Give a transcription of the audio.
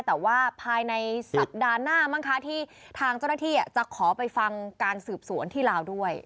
แต่ว่าภายในสัปดาห์หน้ามั้งคะที่ทางเจ้าหน้าที่จะขอไปฟังการสืบสวนที่ลาวด้วย